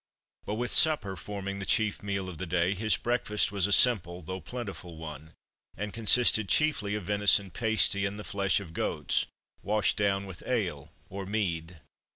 But with supper forming the chief meal of the day, his breakfast was a simple, though plentiful one, and consisted chiefly of venison pasty and the flesh of goats, washed down with ale, or mead.